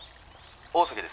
大崎です。